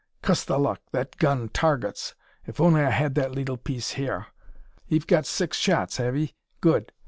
Cuss the luck! that gun, Tar guts! Ef I only had that leetle piece hyur! 'Ee've got six shots, have 'ee? Good!